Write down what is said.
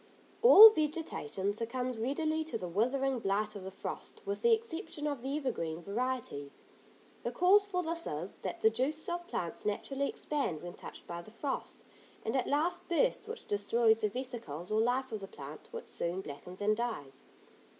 All vegetation succumbs readily to the withering blight of the frost with the exception of the evergreen varieties. The cause for this is, that the juices of plants naturally expand when touched by the frost, and at last burst, which destroys the vesicles or life of the plant, which soon blackens and dies.